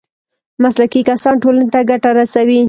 مسلکي کسان ټولنې ته ګټه رسوي